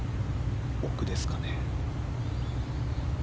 奥ですかね。